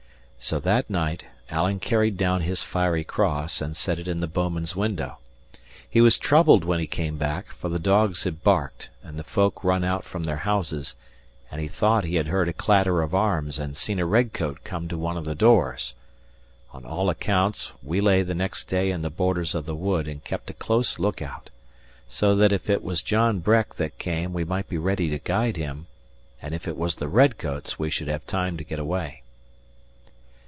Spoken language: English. So that night Alan carried down his fiery cross and set it in the bouman's window. He was troubled when he came back; for the dogs had barked and the folk run out from their houses; and he thought he had heard a clatter of arms and seen a red coat come to one of the doors. On all accounts we lay the next day in the borders of the wood and kept a close look out, so that if it was John Breck that came we might be ready to guide him, and if it was the red coats we should have time to get away.